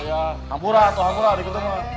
ya ampura tuh ampura dikitin